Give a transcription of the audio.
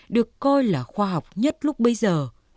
được coi là khoa học nhất lúc bây giờ